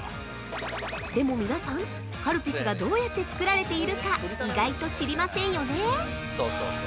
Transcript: でも皆さん、カルピスがどうやって作られているか意外と知りませんよね。